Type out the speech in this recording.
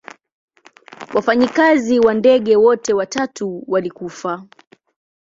Wafanyikazi wa ndege wote watatu walikufa.